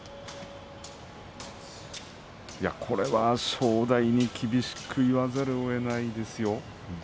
これは正代に厳しく言わざるをえません。